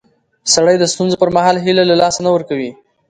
سړی د ستونزو پر مهال هیله له لاسه نه ورکوي